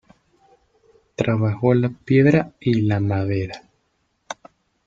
Trabajó la piedra y la madera.